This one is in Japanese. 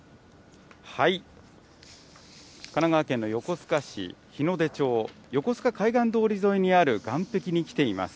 神奈川県の横須賀市日の出町、よこすか海岸通り沿いにある岸壁に来ています。